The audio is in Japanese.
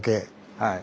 はい。